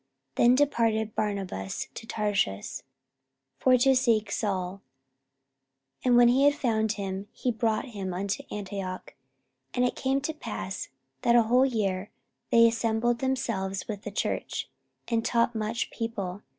44:011:025 Then departed Barnabas to Tarsus, for to seek Saul: 44:011:026 And when he had found him, he brought him unto Antioch. And it came to pass, that a whole year they assembled themselves with the church, and taught much people.